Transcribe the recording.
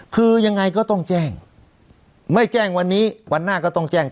คือยังไงก็ต้องแจ้งไม่แจ้งวันนี้วันหน้าก็ต้องแจ้ง